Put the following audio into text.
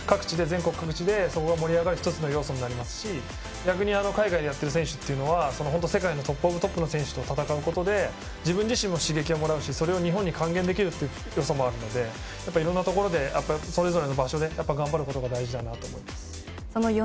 全国各地で盛り上がる１つの要素になりますし逆に海外でやっている選手は世界のトップオブトップの選手と戦うことで自分自身も刺激をもらうし日本にも還元できるのでいろんなところでそれぞれの場所で頑張ることが大事だと思います。